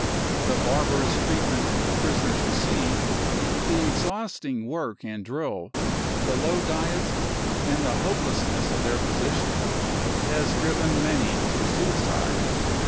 The barbarous treatment the prisoners receive, the exhausting work and drill, the low diet, and the hopeless ness of their position has driven many to suicide.